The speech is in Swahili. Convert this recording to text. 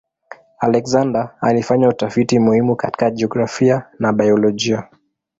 Alexander alifanya utafiti muhimu katika jiografia na biolojia.